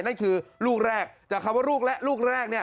นั่นคือลูกแรกแต่คำว่าลูกแรก